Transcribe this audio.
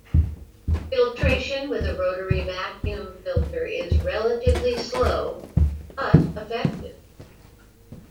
Filtration with a rotary vacuum filter is relatively slow but effective.